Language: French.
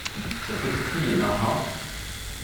Cette petite fille est d’un rat !…